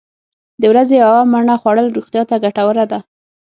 د ورځې یوه مڼه خوړل روغتیا ته ګټوره ده.